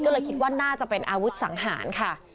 ก็เลยคิดว่าน่าจะเป็นอาวุธสังหารค่ะ